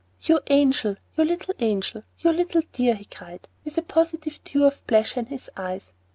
"You angel! you little angel! you little dear!" he cried, with a positive dew of pleasure in his eyes.